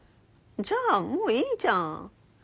じゃあもういいじゃん。